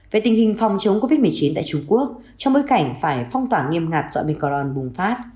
về tình hình phòng chống covid một mươi chín tại trung quốc trong bối cảnh phải phong tỏa nghiêm ngặt dọn bicl bùng phát